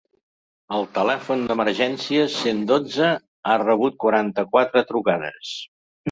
El telèfon d’emergències cent dotze ha rebut quaranta-quatre trucades.